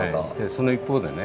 その一方でね